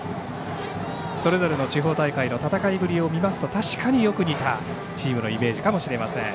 それぞれの地方大会の戦いぶりを見ますと確かに、よく似たチームのイメージかもしれません。